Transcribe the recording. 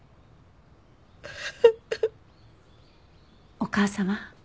お母様。